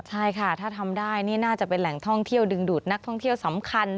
ใช่ค่ะถ้าทำได้นี่น่าจะเป็นแหล่งท่องเที่ยวดึงดูดนักท่องเที่ยวสำคัญ